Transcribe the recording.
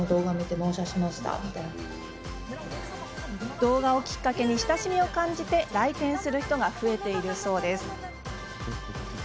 動画をきっかけに親しみを感じて来店する人が増えているそうです。